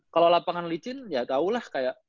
kalo lapangan licin ya tau lah kayak